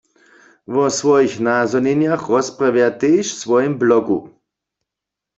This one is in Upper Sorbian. Wo swojich nazhonjenjach rozprawja tež w swojim blogu.